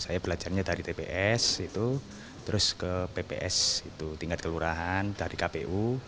saya belajarnya dari tps terus ke pps itu tingkat kelurahan dari kpu